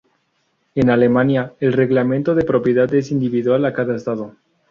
En Alemania, el reglamento de propiedad es individual a cada estado.